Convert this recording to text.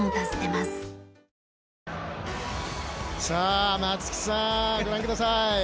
さあ、松木さんご覧ください！